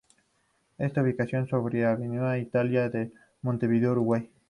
Está ubicado sobre Avenida Italia en Montevideo, Uruguay.